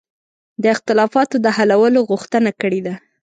د اختلافاتو د حلولو غوښتنه کړې ده.